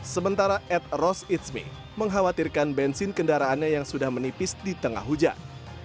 sementara ed ros itzmi mengkhawatirkan bensin kendaraannya yang sudah menipis di tengah hujan